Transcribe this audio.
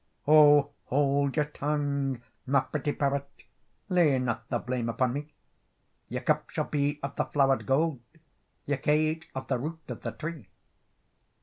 "O hold your tongue, my pretty parrot, Lay not the blame upon me; Your cup shall be of the flowered gold, Your cage of the root of the tree."